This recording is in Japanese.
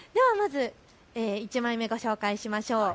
１枚目ご紹介しましょう。